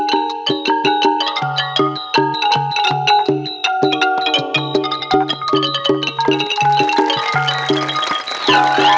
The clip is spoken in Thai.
มันไงสำหรับโชว์นี้นะครับ